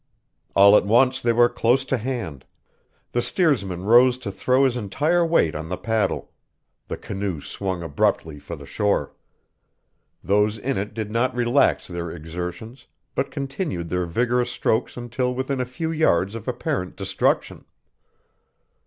All at once they were close to hand. The steersman rose to throw his entire weight on the paddle. The canoe swung abruptly for the shore. Those in it did not relax their exertions, but continued their vigorous strokes until within a few yards of apparent destruction.